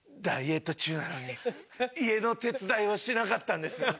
ダイエット中なのに家の手伝いをしなかったんです。